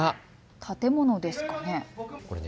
建物ですかね。